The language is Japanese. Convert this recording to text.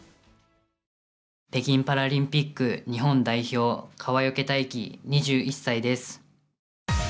北京パラリンピック日本代表、川除大輝、２１歳です。